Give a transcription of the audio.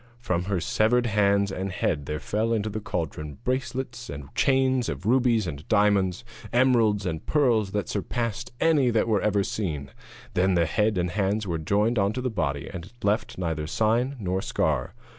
From her severed hands and head there fell into the cauldron bracelets and chains of rubies and diamonds, emeralds and pearls that surpassed any that ever were seen. Then the head and hands were joined on to the body, and left neither sign nor scar.